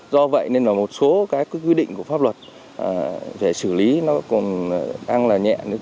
do vậy nên một số quy định của pháp luật về xử lý nó còn đang là nhẹ